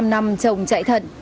một mươi năm năm chồng chạy thận